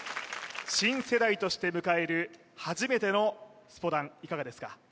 新世代として迎える初めてのスポダンいかがですか？